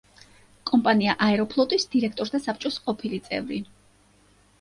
კომპანია „აეროფლოტის“ დირექტორთა საბჭოს ყოფილი წევრი.